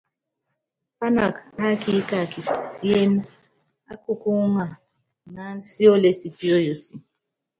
Pának ábííka kisién á kukúúŋa iŋánd sióle sí píóyosi.